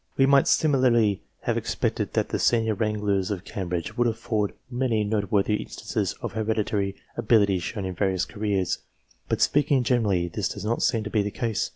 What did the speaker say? We might similarly have expected that the senior wranglers of Cam bridge would afford many noteworthy instances of hereditary ability shown in various careers, but, speaking generally, this does not seem to be the case.